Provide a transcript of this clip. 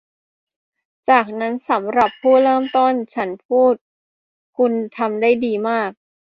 'จากนั้นสำหรับผู้เริ่มต้น' ฉันพูด 'คุณทำได้ดีมาก'